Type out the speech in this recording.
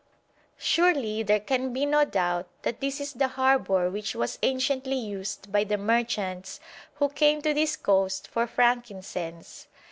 Surely there can be no doubt that this is the harbour which was anciently used by the merchants who came to this coast for frankincense.